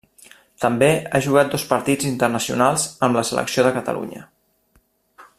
També ha jugat dos partits internacionals amb la selecció de Catalunya.